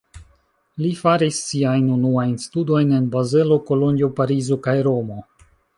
Li faris siajn unuajn studojn en Bazelo, Kolonjo, Parizo kaj Romo.